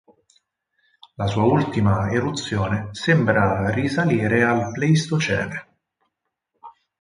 La sua ultima eruzione sembra risalire al Pleistocene.